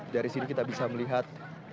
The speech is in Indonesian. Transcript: dari sini kita bisa melihat